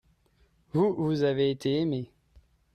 vous, vous avez été aimé.